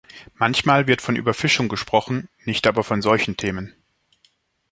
Manchmal wird von Überfischung gesprochen, nicht aber von solchen Themen.